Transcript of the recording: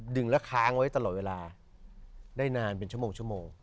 ดึงและค้างไว้ตลอดเวลาได้นานเป็นชั่วโมง